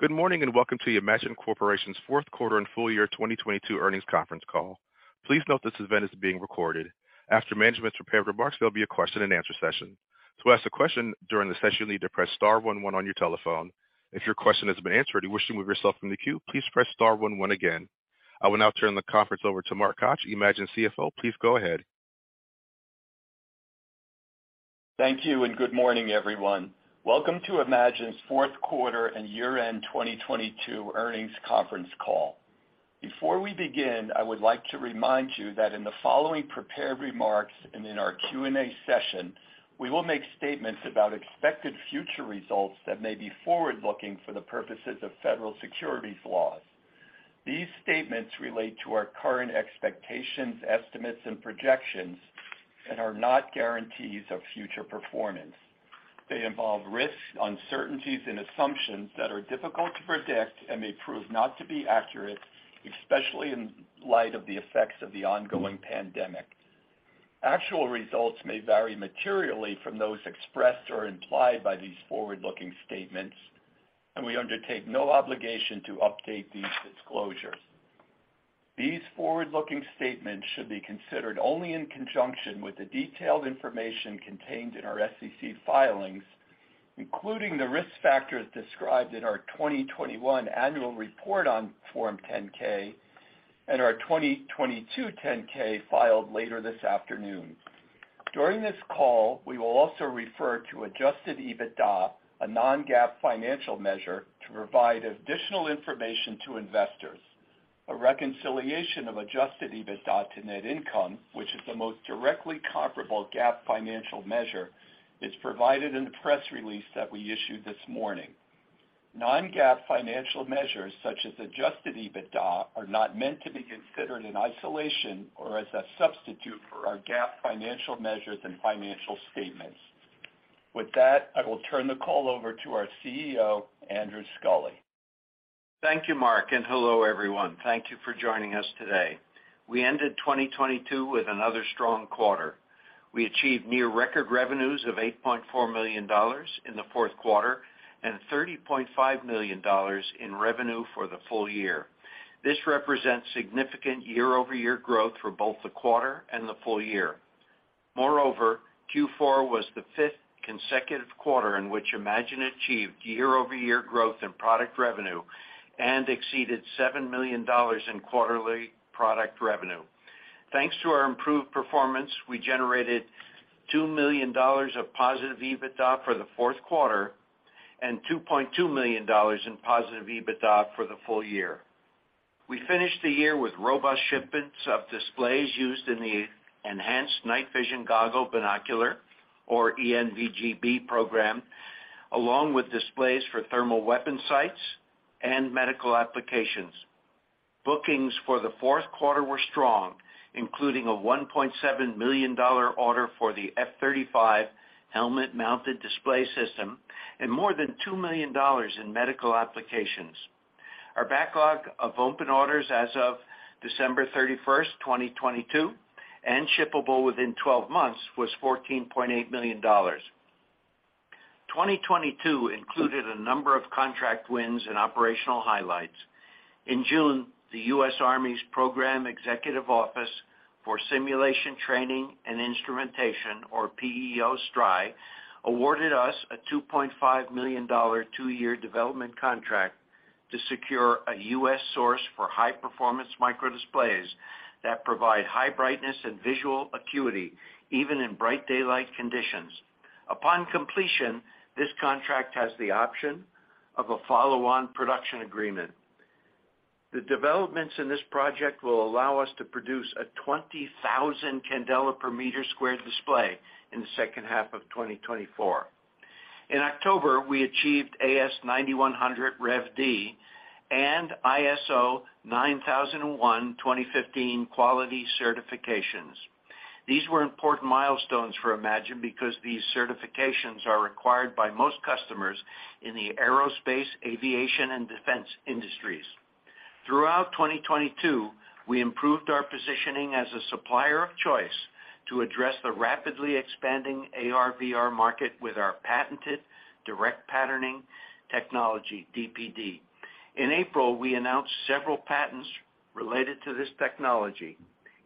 Good morning, and welcome to eMagin Corporation's fourth quarter and full year 2022 earnings conference call. Please note this event is being recorded. After management's prepared remarks, there'll be a question-and-answer session. To ask a question during the session, you'll need to press star one one on your telephone. If your question has been answered and you wish to move yourself from the queue, please press star one one again. I will now turn the conference over to Mark Koch, eMagin CFO. Please go ahead. Thank you. Good morning, everyone. Welcome to eMagin's fourth quarter and year-end 2022 earnings conference call. Before we begin, I would like to remind you that in the following prepared remarks and in our Q&A session, we will make statements about expected future results that may be forward-looking for the purposes of federal securities laws. These statements relate to our current expectations, estimates, and projections and are not guarantees of future performance. They involve risks, uncertainties, and assumptions that are difficult to predict and may prove not to be accurate, especially in light of the effects of the ongoing pandemic. Actual results may vary materially from those expressed or implied by these forward-looking statements, and we undertake no obligation to update these disclosures. These forward-looking statements should be considered only in conjunction with the detailed information contained in our SEC filings, including the risk factors described in our 2021 annual report on Form 10-K and our 2022 10-K filed later this afternoon. During this call, we will also refer to adjusted EBITDA, a non-GAAP financial measure, to provide additional information to investors. A reconciliation of adjusted EBITDA to net income, which is the most directly comparable GAAP financial measure, is provided in the press release that we issued this morning. Non-GAAP financial measures such as adjusted EBITDA are not meant to be considered in isolation or as a substitute for our GAAP financial measures and financial statements. With that, I will turn the call over to our CEO, Andrew Sculley. Thank you, Mark, and hello, everyone. Thank you for joining us today. We ended 2022 with another strong quarter. We achieved near-record revenues of $8.4 million in the fourth quarter and $30.5 million in revenue for the full year. This represents significant year-over-year growth for both the quarter and the full year. Moreover, Q4 was the fifth consecutive quarter in which eMagin achieved year-over-year growth in product revenue and exceeded $7 million in quarterly product revenue. Thanks to our improved performance, we generated $2 million of positive EBITDA for the fourth quarter and $2.2 million in positive EBITDA for the full year. We finished the year with robust shipments of displays used in the Enhanced Night Vision Goggle–Binocular, or ENVG-B program, along with displays for thermal weapon sights and medical applications. Bookings for the fourth quarter were strong, including a $1.7 million order for the F-35 helmet-mounted display system and more than $2 million in medical applications. Our backlog of open orders as of December 31st, 2022, and shippable within 12 months, was $14.8 million. 2022 included a number of contract wins and operational highlights. In June, the US Army's Program Executive Office for Simulation, Training, and Instrumentation, or PEO STRI, awarded us a $2.5 million two-year development contract to secure a U.S. source for high-performance microdisplays that provide high brightness and visual acuity, even in bright daylight conditions. Upon completion, this contract has the option of a follow-on production agreement. The developments in this project will allow us to produce a 20,000 candela per square meter display in the second half of 2024. In October, we achieved AS9100 Rev D and ISO 9001:2015 quality certifications. These were important milestones for eMagin because these certifications are required by most customers in the aerospace, aviation, and defense industries. Throughout 2022, we improved our positioning as a supplier of choice to address the rapidly expanding AR/VR market with our patented Direct Patterning technology, dPd. In April, we announced several patents related to this technology.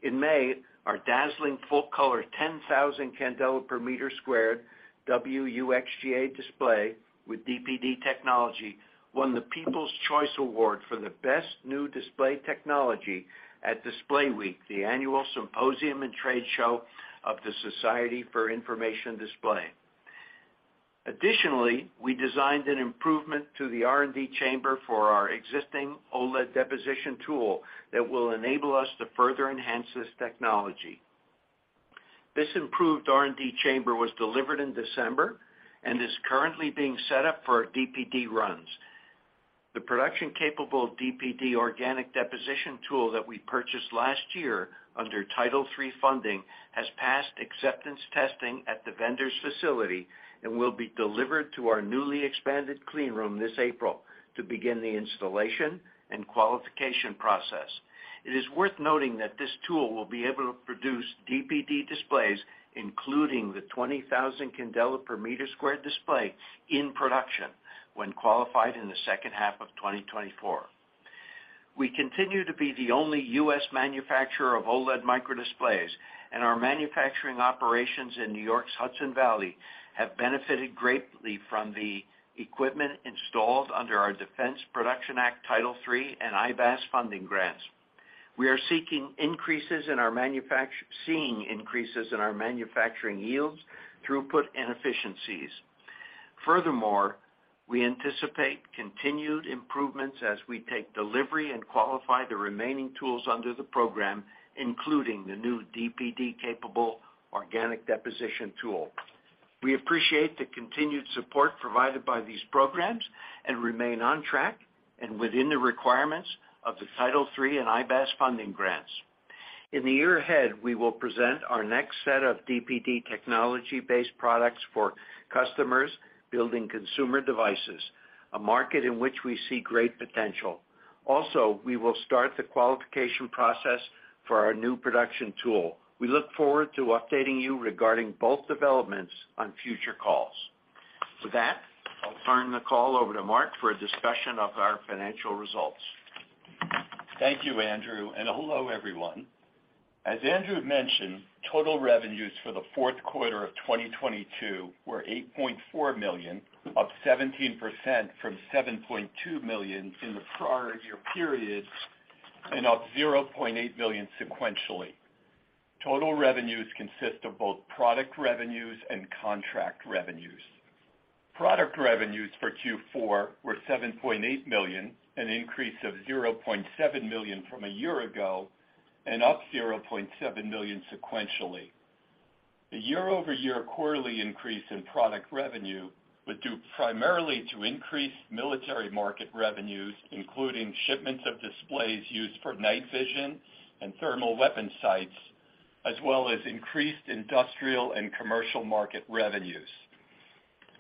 In May, our dazzling full-color 10,000 candela per square meter WUXGA display with dPd technology won the People's Choice Award for the best new display technology at Display Week, the annual symposium and trade show of the Society for Information Display. Additionally, we designed an improvement to the R&D chamber for our existing OLED deposition tool that will enable us to further enhance this technology. This improved R&D chamber was delivered in December and is currently being set up for dPd runs. The production-capable dPd organic deposition tool that we purchased last year under Title III funding has passed acceptance testing at the vendor's facility and will be delivered to our newly expanded clean room this April to begin the installation and qualification process. It is worth noting that this tool will be able to produce dPd displays, including the 20,000 candela per meter squared display in production when qualified in the second half of 2024. We continue to be the only U.S. manufacturer of OLED microdisplays, and our manufacturing operations in New York's Hudson Valley have benefited greatly from the equipment installed under our Defense Production Act Title III and IBAS funding grants. We are seeing increases in our manufacturing yields, throughput, and efficiencies. Furthermore, we anticipate continued improvements as we take delivery and qualify the remaining tools under the program, including the new dPd-capable organic deposition tool. We appreciate the continued support provided by these programs and remain on track and within the requirements of the Title III and IBAS funding grants. In the year ahead, we will present our next set of dPd technology-based products for customers building consumer devices, a market in which we see great potential. We will start the qualification process for our new production tool. We look forward to updating you regarding both developments on future calls. With that, I'll turn the call over to Mark for a discussion of our financial results. Thank you, Andrew, and hello, everyone. As Andrew mentioned, total revenues for the fourth quarter of 2022 were $8.4 million, up 17% from $7.2 million in the prior year period and up $0.8 million sequentially. Total revenues consist of both product revenues and contract revenues. Product revenues for Q4 were $7.8 million, an increase of $0.7 million from a year ago and up $0.7 million sequentially. The year-over-year quarterly increase in product revenue was due primarily to increased military market revenues, including shipments of displays used for night vision and thermal weapon sites, as well as increased industrial and commercial market revenues.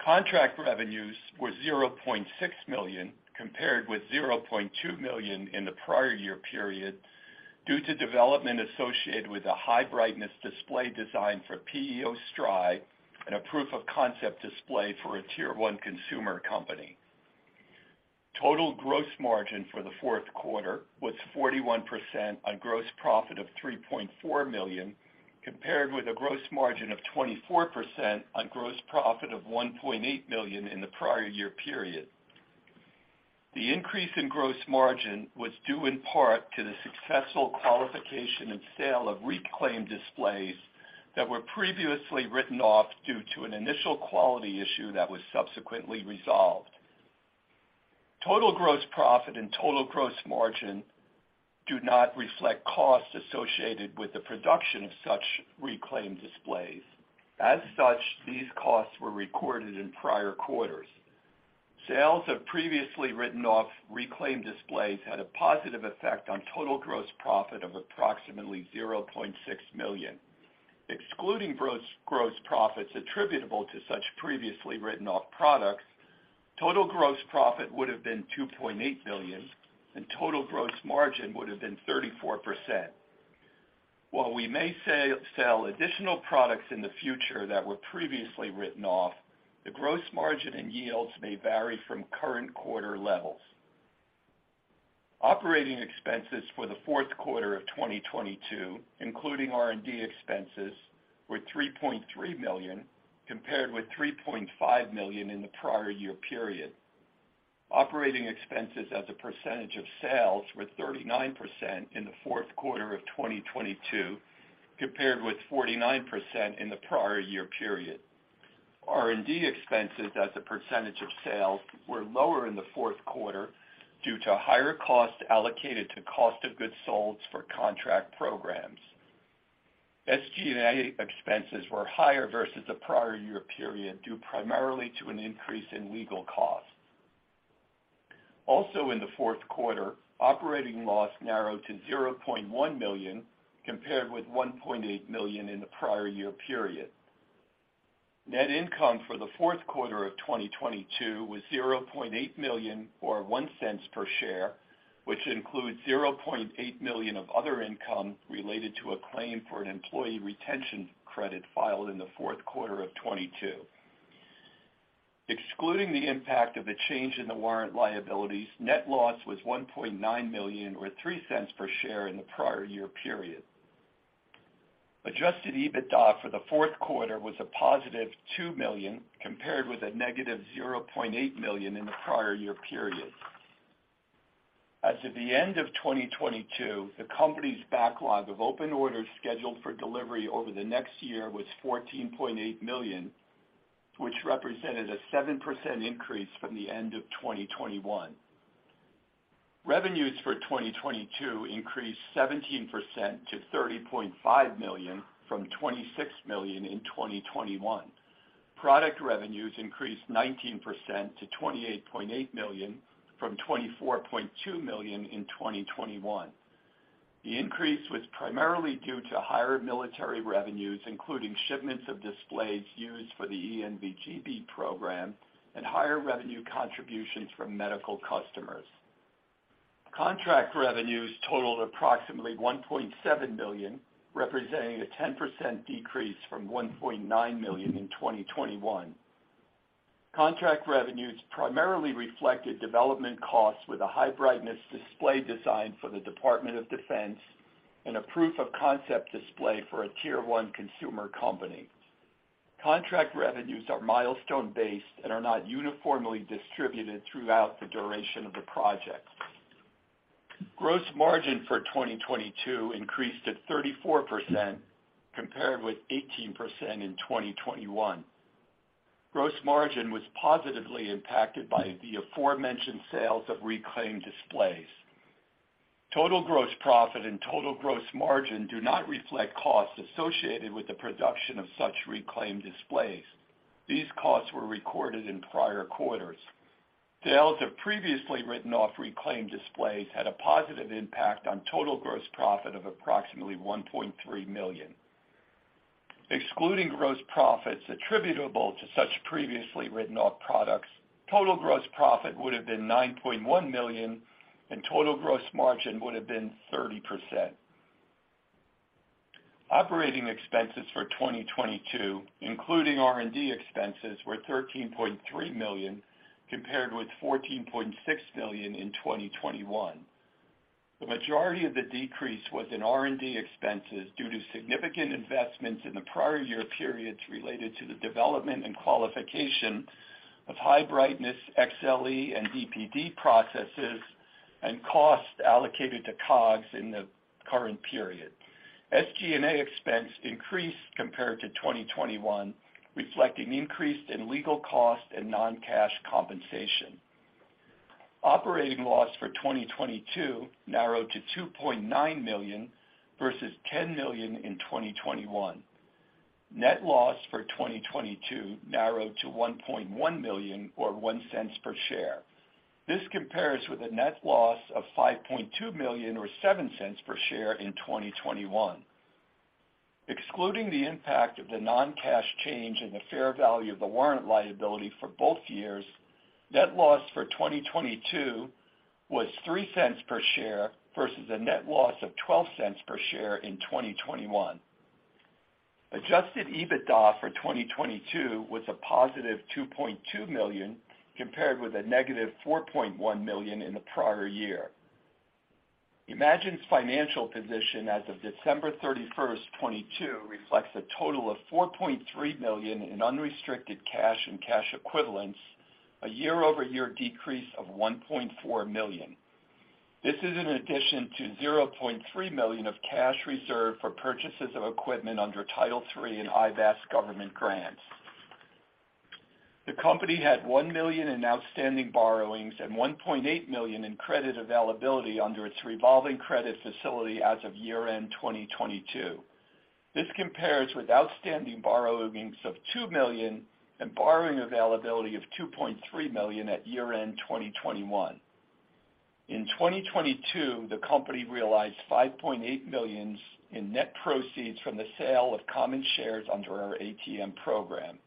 Contract revenues were $0.6 million compared with $0.2 million in the prior year period due to development associated with a high-brightness display designed for PEO STRI and a proof-of-concept display for a Tier One consumer company. Total gross margin for the fourth quarter was 41% on gross profit of $3.4 million, compared with a gross margin of 24% on gross profit of $1.8 million in the prior year period. The increase in gross margin was due in part to the successful qualification and sale of reclaimed displays that were previously written off due to an initial quality issue that was subsequently resolved. Total gross profit and total gross margin do not reflect costs associated with the production of such reclaimed displays. As such, these costs were recorded in prior quarters. Sales of previously written off reclaimed displays had a positive effect on total gross profit of approximately $0.6 million. Excluding gross profits attributable to such previously written off products, total gross profit would have been $2.8 million, and total gross margin would have been 34%. While we may sell additional products in the future that were previously written off, the gross margin and yields may vary from current quarter levels. Operating expenses for the fourth quarter of 2022, including R&D expenses, were $3.3 million, compared with $3.5 million in the prior year period. Operating expenses as a percentage of sales were 39% in the fourth quarter of 2022, compared with 49% in the prior year period. R&D expenses as a percentage of sales were lower in the fourth quarter due to higher costs allocated to cost of goods sold for contract programs. SG&A expenses were higher versus the prior year period, due primarily to an increase in legal costs. Also in the fourth quarter, operating loss narrowed to $0.1 million, compared with $1.8 million in the prior year period. Net income for the fourth quarter of 2022 was $0.8 million or $0.01 per share, which includes $0.8 million of other income related to a claim for an Employee Retention Credit filed in the fourth quarter of 2022. Excluding the impact of a change in the warrant liabilities, net loss was $1.9 million or $0.03 per share in the prior year period. Adjusted EBITDA for the fourth quarter was a positive $2 million, compared with a negative $0.8 million in the prior year period. As of the end of 2022, the company's backlog of open orders scheduled for delivery over the next year was $14.8 million, which represented a 7% increase from the end of 2021. Revenues for 2022 increased 17% to $30.5 million from $26 million in 2021. Product revenues increased 19% to $28.8 million from $24.2 million in 2021. The increase was primarily due to higher military revenues, including shipments of displays used for the ENVG-B program and higher revenue contributions from medical customers. Contract revenues totaled approximately $1.7 million, representing a 10% decrease from $1.9 million in 2021. Contract revenues primarily reflected development costs with a high-brightness display design for the Department of Defense and a proof of concept display for a Tier One consumer company. Contract revenues are milestone-based and are not uniformly distributed throughout the duration of the project. Gross margin for 2022 increased to 34% compared with 18% in 2021. Gross margin was positively impacted by the aforementioned sales of reclaimed displays. Total gross profit and total gross margin do not reflect costs associated with the production of such reclaimed displays. These costs were recorded in prior quarters. Sales of previously written off reclaimed displays had a positive impact on total gross profit of approximately $1.3 million. Excluding gross profits attributable to such previously written off products, total gross profit would have been $9.1 million, and total gross margin would have been 30%. Operating expenses for 2022, including R&D expenses, were $13.3 million, compared with $14.6 million in 2021. The majority of the decrease was in R&D expenses due to significant investments in the prior year periods related to the development and qualification of high brightness XLE and dPd processes and costs allocated to COGS in the current period. SG&A expense increased compared to 2021, reflecting increase in legal costs and non-cash compensation. Operating loss for 2022 narrowed to $2.9 million versus $10 million in 2021. Net loss for 2022 narrowed to $1.1 million or $0.01 per share. This compares with a net loss of $5.2 million or $0.07 per share in 2021. Excluding the impact of the non-cash change in the fair value of the warrant liability for both years, net loss for 2022 was $0.03 per share versus a net loss of $0.12 per share in 2021. Adjusted EBITDA for 2022 was a positive $2.2 million compared with a negative $4.1 million in the prior year. eMagin's financial position as of December 31, 2022 reflects a total of $4.3 million in unrestricted cash and cash equivalents, a year-over-year decrease of $1.4 million. This is in addition to $0.3 million of cash reserved for purchases of equipment under Title III and IBAS government grants. The company had $1 million in outstanding borrowings and $1.8 million in credit availability under its revolving credit facility as of year-end 2022. This compares with outstanding borrowings of $2 million and borrowing availability of $2.3 million at year-end 2021. In 2022, the company realized $5.8 million in net proceeds from the sale of common shares under our ATM program.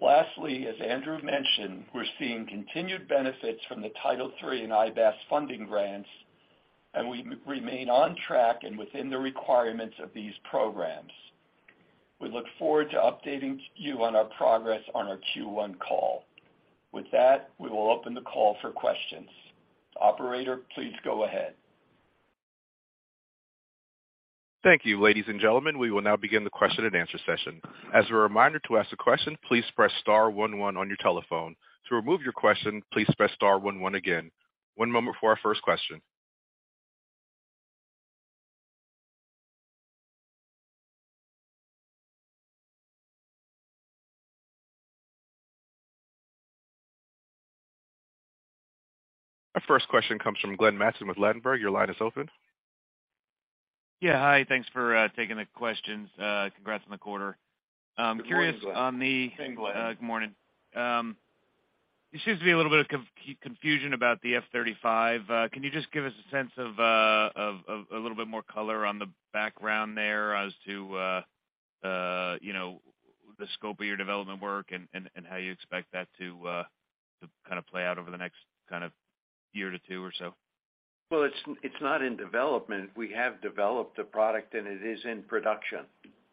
Lastly, as Andrew mentioned, we're seeing continued benefits from the Title III and IBAS funding grants, and we remain on track and within the requirements of these programs. We look forward to updating you on our progress on our Q1 call. With that, we will open the call for questions. Operator, please go ahead. Thank you, ladies and gentlemen. We will now begin the question and answer session. As a reminder, to ask a question, please press star one one on your telephone. To remove your question, please press star one one again. One moment for our first question. Our first question comes from Glenn Mattson with Ladenburg. Your line is open. Yeah. Hi, thanks for taking the questions. Congrats on the quarter. Curious on the. Good morning, Glenn. It seems to be a little bit of confusion about the F-35. Can you just give us a sense of a little bit more color on the background there as to, you know, the scope of your development work and how you expect that to kind of play out over the next kind of year two or so? Well, it's not in development. We have developed a product, and it is in production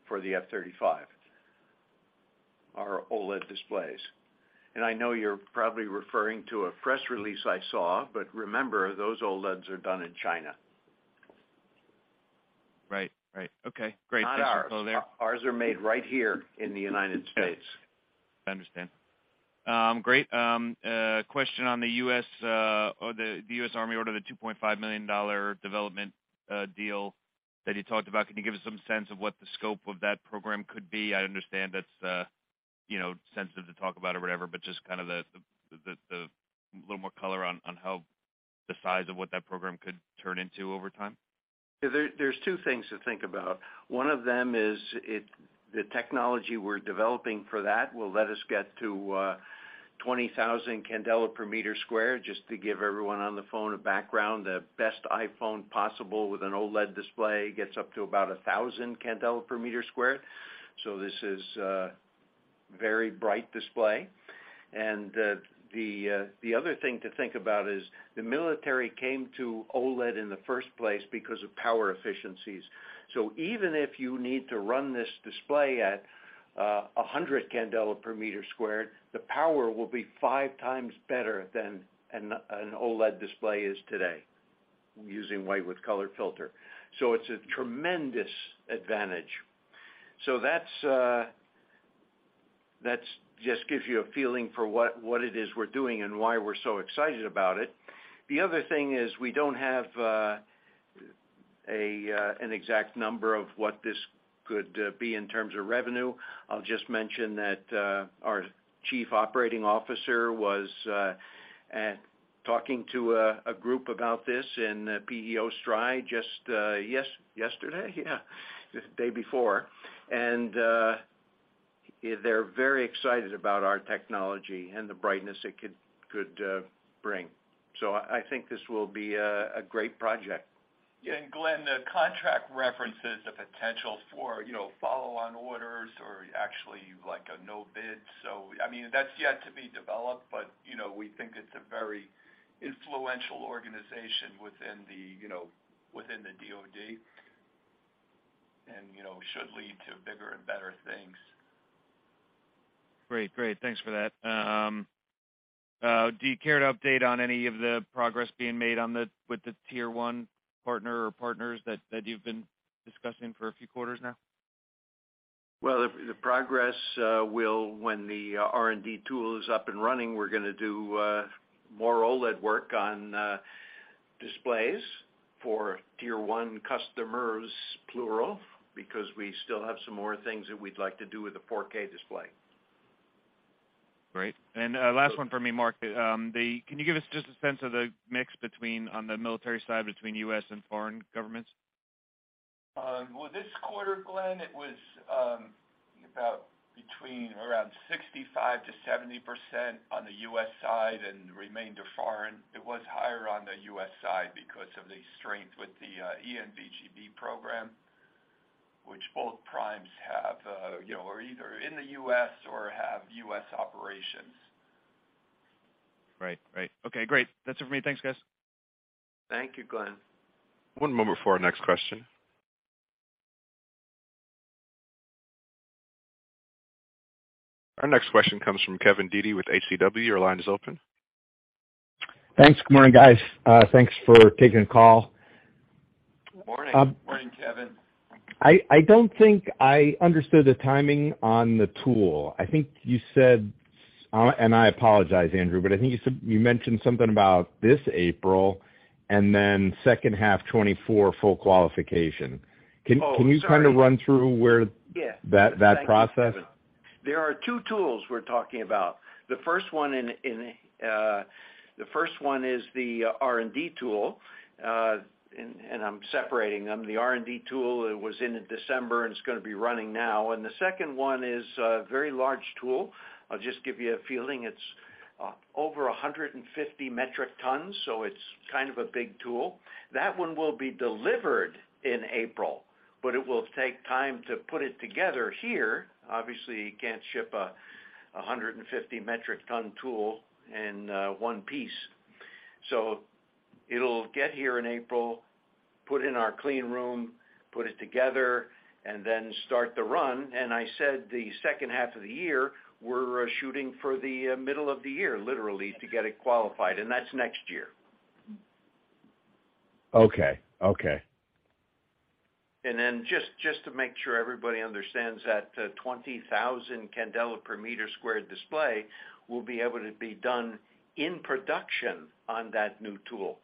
for the F-35, our OLED displays. I know you're probably referring to a press release I saw, remember, those OLEDs are done in China. Right. Right. Okay. Great. Not ours. Thanks for the info there. Ours are made right here in the United States. I understand. Great. Question on the U.S., or the U.S. Army order, the $2.5 million development deal that you talked about. Can you give us some sense of what the scope of that program could be? I understand that's, you know, sensitive to talk about or whatever, but just kind of a little more color on how the size of what that program could turn into over time. Yeah. There's two things to think about. One of them is the technology we're developing for that will let us get to 20,000 candela per square meter. Just to give everyone on the phone a background, the best iPhone possible with an OLED display gets up to about 1,000 candela per square meter. this is. Very bright display. The other thing to think about is the military came to OLED in the first place because of power efficiencies. Even if you need to run this display at 100 candela per square meter, the power will be five times better than an OLED display is today, using white with color filter. It's a tremendous advantage. That's just gives you a feeling for what it is we're doing and why we're so excited about it. The other thing is we don't have an exact number of what this could be in terms of revenue. I'll just mention that our chief operating officer was talking to a group about this in PEO STRI just yesterday? Just day before. They're very excited about our technology and the brightness it could bring. I think this will be a great project. Yeah. Glenn, the contract references the potential for, you know, follow-on orders or actually like a no bid. I mean, that's yet to be developed, but, you know, we think it's a very influential organization within the, you know, within the DoD and, you know, should lead to bigger and better things. Great. Great. Thanks for that. Do you care to update on any of the progress being made with the Tier One partner or partners that you've been discussing for a few quarters now? The progress will when the R&D tool is up and running, we're gonna do more OLED work on displays for Tier One customers, plural, because we still have some more things that we'd like to do with the 4K display. Great. Last one for me, Mark. Can you give us just a sense of the mix between, on the military side, between U.S. and foreign governments? This quarter, Glenn, it was about between around 65%-70% on the U.S. side and the remainder foreign. It was higher on the U.S. side because of the strength with the ENVG-B program, which both primes have are either in the U.S. or have U.S. operations. Right. Right. Okay, great. That's it for me. Thanks, guys. Thank you, Glenn. One moment for our next question. Our next question comes from Kevin Dede with HCW. Your line is open. Thanks. Good morning, guys. Thanks for taking the call. Morning. Morning, Kevin. I don't think I understood the timing on the tool. I think you said, and I apologize, Andrew, but I think you mentioned something about this April, and then second half 2024 full qualification. Oh, sorry. Can you kind of run through. Yeah. That process? There are two tools we're talking about. The first one is the R&D tool. I'm separating them. The R&D tool was in December, and it's gonna be running now. The second one is a very large tool. I'll just give you a feeling. It's over 150 metric tons, so it's kind of a big tool. That one will be delivered in April, but it will take time to put it together here. Obviously, you can't ship a 150 metric ton tool in one piece. It'll get here in April, put in our clean room, put it together, and then start the run. I said the second half of the year, we're shooting for the middle of the year, literally, to get it qualified, and that's next year. Okay. Okay. Just to make sure everybody understands that, 20,000 candela per square meter display will be able to be done in production on that new tool.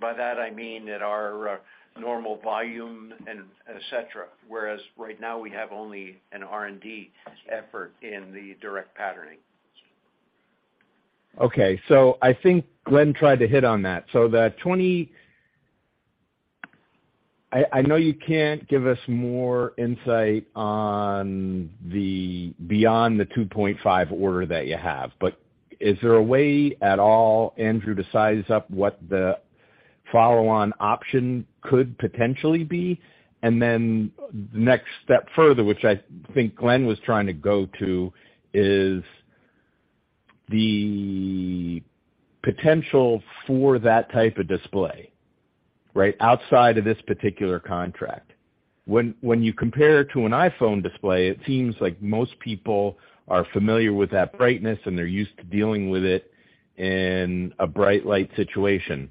By that I mean at our normal volume and et cetera, whereas right now we have only an R&D effort in the Direct Patterning. Okay. I think Glenn tried to hit on that. I know you can't give us more insight on the beyond the 2.5 order that you have, but is there a way at all, Andrew, to size up what the follow-on option could potentially be? The next step further, which I think Glenn was trying to go to, is the potential for that type of display, right, outside of this particular contract. When you compare it to an iPhone display, it seems like most people are familiar with that brightness, and they're used to dealing with it in a bright light situation.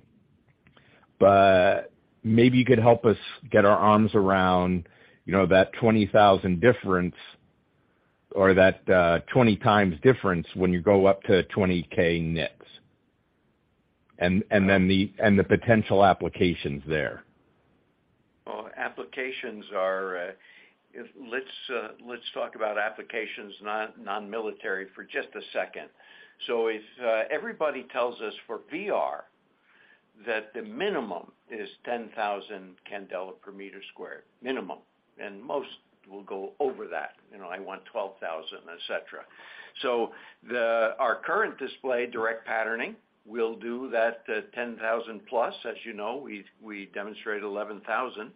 Maybe you could help us get our arms around, you know, that 20,000 difference or that 20 times difference when you go up to 20K nits, and the potential applications there. Applications are, let's talk about applications non-military for just a second. If everybody tells us for VR that the minimum is 10,000 candela per square meter, minimum, and most will go over that, you know, I want 12,000, et cetera. Our current display Direct Patterning will do that, 10,000+. As you know, we demonstrated 11,000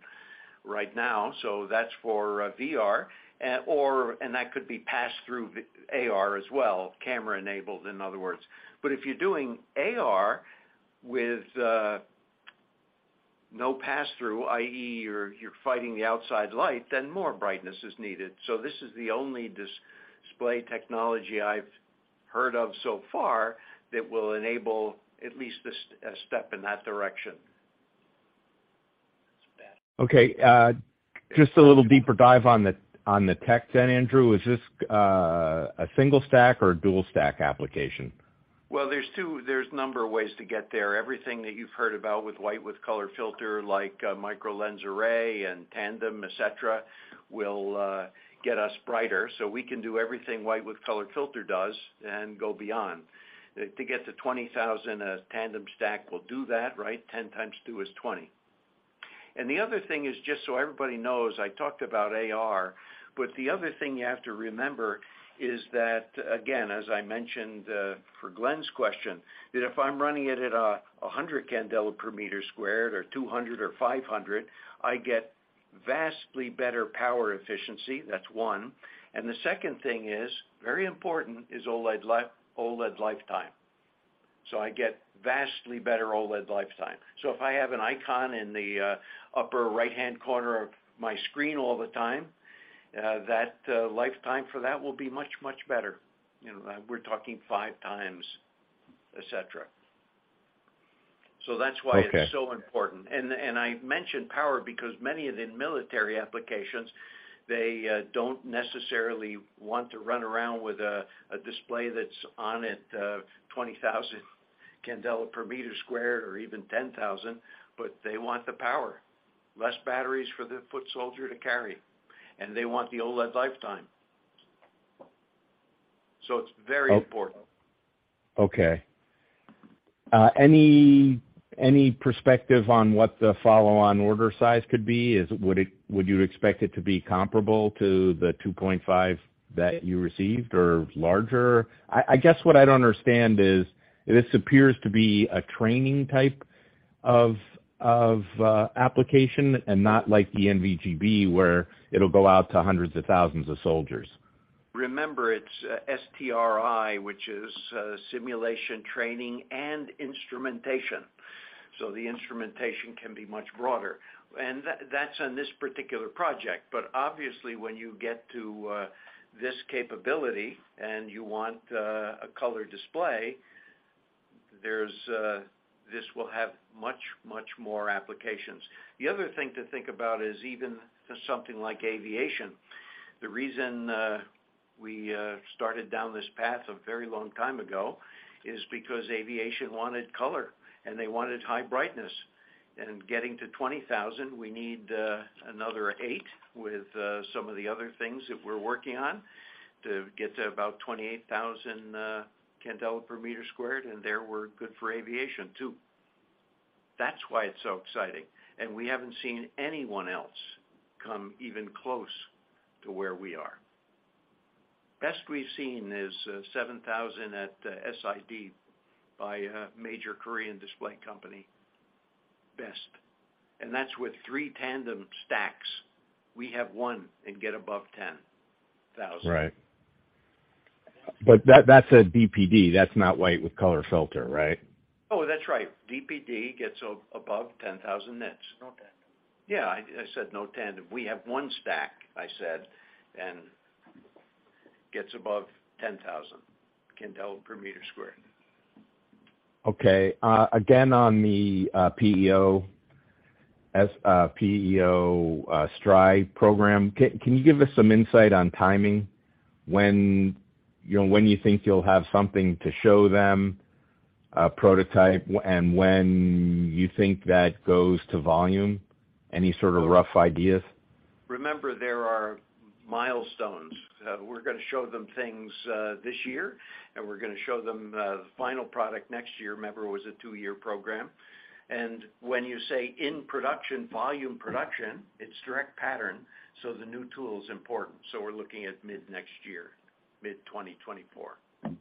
right now, so that's for VR. That could be pass through AR as well, camera-enabled, in other words. If you're doing AR with no pass through, i.e., you're fighting the outside light, then more brightness is needed. This is the only display technology I've heard of so far that will enable at least this step in that direction. Okay. just a little deeper dive on the, on the tech then, Andrew. Is this, a single stack or a dual stack application? There's a number of ways to get there. Everything that you've heard about with white with color filter, like Micro Lens Array and tandem, et cetera, will get us brighter. We can do everything white with color filter does and go beyond. To get to 20,000, a tandem stack will do that, right? 10x2 is 20. The other thing is, just so everybody knows, I talked about AR, but the other thing you have to remember is that, again, as I mentioned, for Glenn's question, that if I'm running it at 100 candela per square meter or 200 or 500, I get vastly better power efficiency. That's one. The second thing is, very important, is OLED lifetime. I get vastly better OLED lifetime. If I have an icon in the upper right-hand corner of my screen all the time, that lifetime for that will be much, much better. You know, we're talking five times, et cetera. That's why. Okay. it's so important. I mentioned power because many of the military applications, they don't necessarily want to run around with a display that's on at 20,000 candela per square meter or even 10,000, but they want the power. Less batteries for the foot soldier to carry, and they want the OLED lifetime. it's very important. Okay. any perspective on what the follow-on order size could be? Would you expect it to be comparable to the $2.5 that you received or larger? I guess what I don't understand is this appears to be a training type of, application and not like the NVG-B, where it'll go out to hundreds of thousands of soldiers. Remember, it's STRI, which is simulation, training, and instrumentation. The instrumentation can be much broader. That's on this particular project. Obviously, when you get to this capability and you want a color display, this will have much, much more applications. The other thing to think about is even something like aviation. The reason we started down this path a very long time ago is because aviation wanted color and they wanted high brightness. Getting to 20,000, we need 8,000 with some of the other things that we're working on to get to about 28,000 candela per square meter, there we're good for aviation too. That's why it's so exciting, and we haven't seen anyone else come even close to where we are. Best we've seen is 7,000 at SID by a major Korean display company. Best. That's with three tandem stacks. We have one and get above 10,000. Right. That's a DPD. That's not white with color filter, right? Oh, that's right. DPD gets above 10,000 nits. No tandem. Yeah, I said no tandem. We have one stack, I said, and gets above 10,000 candela per square meter. Okay. again, on the PEO, as a PEO STRI program, can you give us some insight on timing? When, you know, when you think you'll have something to show them, a prototype, and when you think that goes to volume? Any sort of rough ideas? Remember, there are milestones. We're gonna show them things this year, and we're gonna show them the final product next year. Remember, it was a two-year program. When you say in production, volume production, it's Direct Patterning, so the new tool is important. We're looking at mid-next year, mid-2024.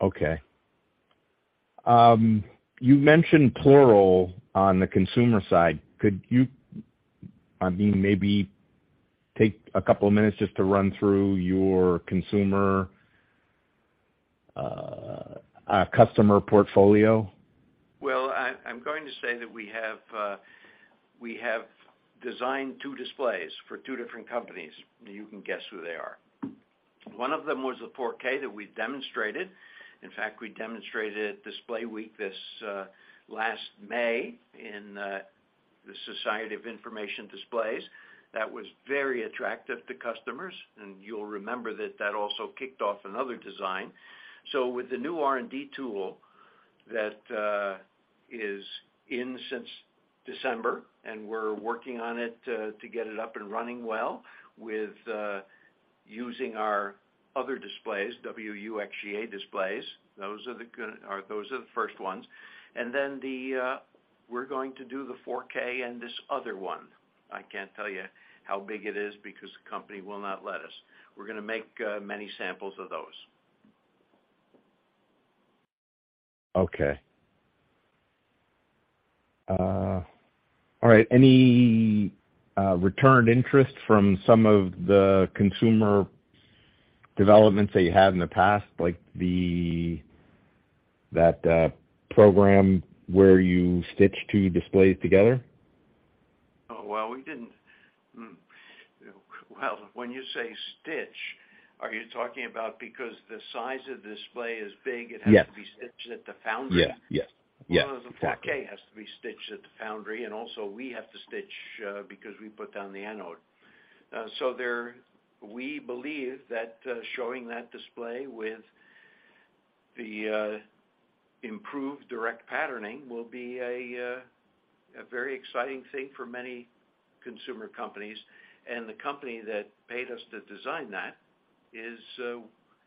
Okay. You mentioned plural on the consumer side. Could you, I mean, maybe take a couple of minutes just to run through your consumer, customer portfolio? I'm going to say that we have designed two displays for two different companies. You can guess who they are. One of them was the 4K that we demonstrated. In fact, we demonstrated at Display Week this last May in the Society for Information Display. That was very attractive to customers, you'll remember that that also kicked off another design. With the new R&D tool that is in since December, we're working on it to get it up and running well with using our other displays, WUXGA displays, those are the first ones. The we're going to do the 4K and this other one. I can't tell you how big it is because the company will not let us. We're gonna make many samples of those. Okay. All right. Any return interest from some of the consumer developments that you had in the past, like that program where you stitch two displays together? Oh, well, we didn't. Well, when you say stitch, are you talking about because the size of display is big? Yes. it has to be stitched at the foundry? Yes. Yes. Yes. The 4K has to be stitched at the foundry, and also we have to stitch because we put down the anode. We believe that showing that display with the improved Direct Patterning will be a very exciting thing for many consumer companies. The company that paid us to design that is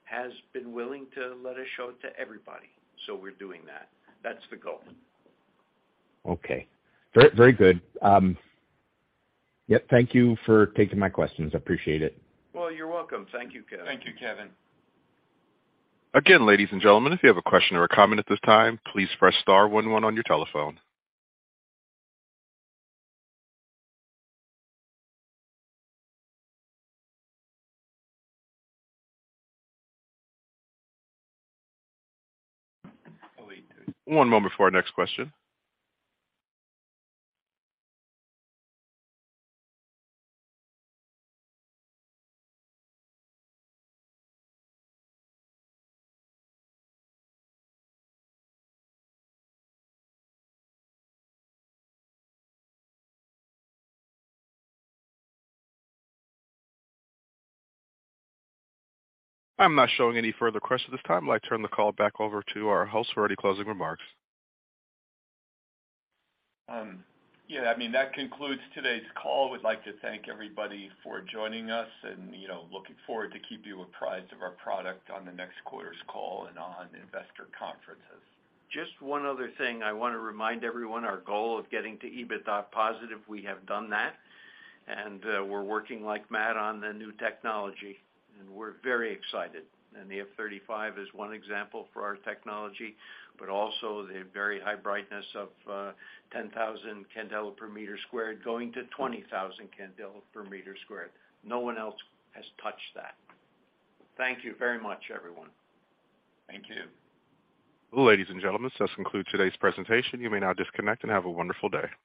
has been willing to let us show it to everybody. We're doing that. That's the goal. Okay. Very, very good. yep, thank you for taking my questions. I appreciate it. You're welcome. Thank you, Kevin. Thank you, Kevin. Ladies and gentlemen, if you have a question or a comment at this time, please press star one one on your telephone. One moment for our next question. I'm not showing any further questions at this time. I'd like to turn the call back over to our host for any closing remarks. Yeah, I mean, that concludes today's call. We'd like to thank everybody for joining us and, you know, looking forward to keep you apprised of our product on the next quarter's call and on investor conferences. Just one other thing. I wanna remind everyone our goal of getting to EBITDA positive, we have done that, and we're working like mad on the new technology, and we're very excited. The F-35 is one example for our technology, but also the very high brightness of 10,000 candela per square meter, going to 20,000 candela per square meter. No one else has touched that. Thank you very much, everyone. Thank you. Ladies and gentlemen, this does conclude today's presentation. You may now disconnect, and have a wonderful day.